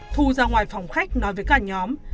thu ra ngoài phòng khách nói với cả nhóm